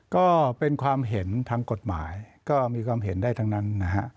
ก็เป็นความเห็นทางกฎหมายก็มีความเห็นได้ทั้งนั้นนะฮะ